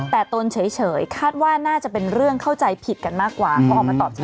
แต่ตนเฉยคาดว่าน่าจะเป็นเรื่องเข้าใจผิดกันมากกว่าเขาออกมาตอบ